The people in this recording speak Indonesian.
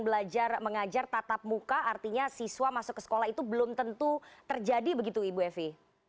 belajar mengajar tatap muka artinya siswa masuk ke sekolah itu belum tentu terjadi begitu ibu evi